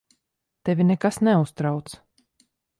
Tevi nekas neuztrauc.